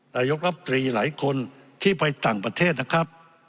นายกรัฐมนตรีหลายคนที่ไปต่างประเทศนะครับ